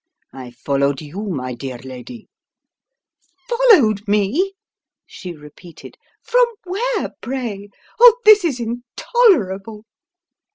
"I followed you, my dear lady " "Followed me?" she repeated. "From where, pray? Oh, this is intolerable!